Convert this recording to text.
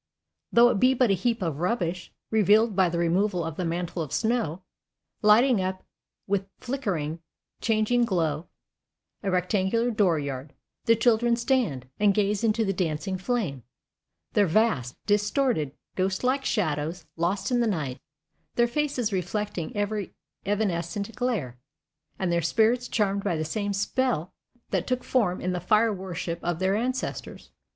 Though it be but a heap of rubbish, revealed by the removal of the mantle of snow, lighting up with flickering, changing glow a rectangular door yard, the children stand and gaze into the dancing flame, their vast, distorted, ghostlike shadows lost in the night, their faces reflecting every evanescent glare, and their spirits charmed by the same spell that took form in the fire worship of their ancestors.